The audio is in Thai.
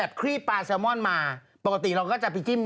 อิสกรีมน่ากินมากดูหน่อยบัวลอยไข่เข็ม